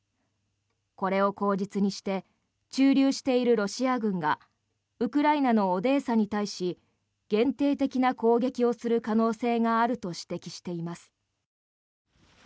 これを口実にして駐留しているロシア軍がウクライナのオデーサに対し限定的な攻撃をする可能性があると指摘しています。